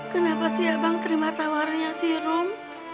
kenapa sih abang terima tawarnya sih rom